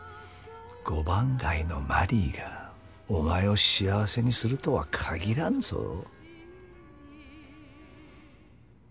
五番街のマリーがお前を幸せにするとはかぎらんぞ。